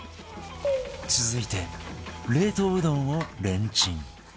続いて冷凍うどんをレンチン